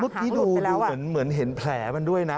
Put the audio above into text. ดูเหมือนเห็นแผลมันด้วยนะ